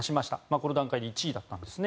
この段階で１位だったんですね。